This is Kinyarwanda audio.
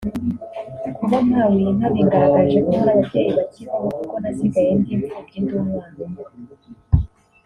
kuba mpawe iyi nka bingaragarije ko hari ababyeyi bakibaho kuko nasigaye ndi impfubyi ndi umwana umwe